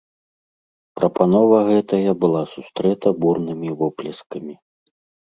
Прапанова гэтая была сустрэта бурнымі воплескамі.